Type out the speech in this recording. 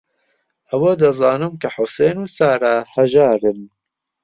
ئەوە دەزانم کە حوسێن و سارا ھەژارن.